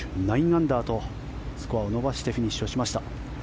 ９アンダーとスコアを伸ばしてフィニッシュしました。